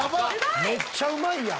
めっちゃうまいやん。